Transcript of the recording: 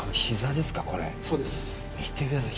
見てください。